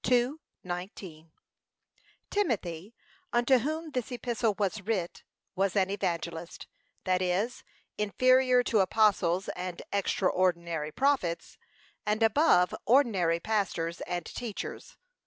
2:19 TIMOTHY, unto whom this epistle was writ, was an evangelist, that is, inferior to apostles and extra ordinary prophets, and above ordinary pastors and teachers.